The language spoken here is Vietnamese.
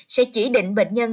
sẽ chỉ định bệnh nhân